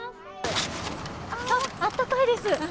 あー、あったかいです。